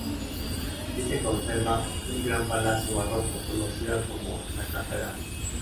Sí se conserva un gran palacio barroco, conocido como "la casa grande".